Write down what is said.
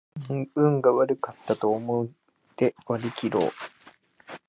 運が悪かったと思って割りきろう